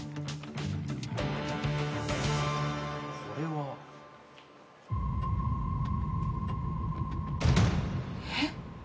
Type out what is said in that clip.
これは。えっ？